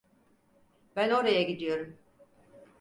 Ben oraya gidiyorum.